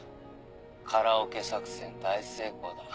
カラオケ作戦大成功だ。